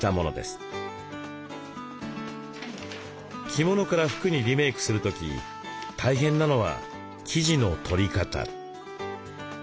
着物から服にリメイクする時大変なのは生地のとり方。